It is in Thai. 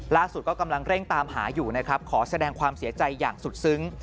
ล่าสุดก็กำลังเร่งตามหาอยู่นะครับขอแสดงความเสียใจอย่างสุดซึ้ง